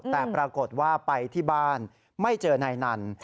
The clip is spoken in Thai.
แต่ปรากฏว่าไปที่บ้านไม่เจอนายนัน